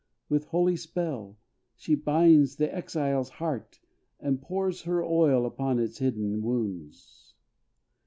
With holy spell she binds the exile's heart, And pours her oil upon its hidden wounds.